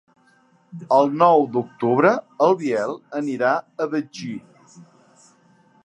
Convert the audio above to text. El nou d'octubre en Biel anirà a Betxí.